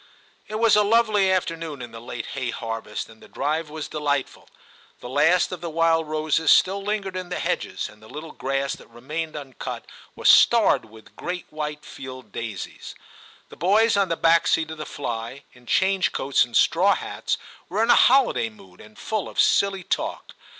It was a lovely afternoon in the late hay harvest, and the drive was delightful. The last of the wild roses still lingered in the hedges, and the little grass that remained uncut was starred with great white field daisies. The boys on the back seat of the fly, in change coats and straw hats, were in a holiday mood, and full of silly talk.